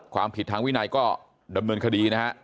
ความผิดทางวินัยก็ดำเนินคดีนะฮะ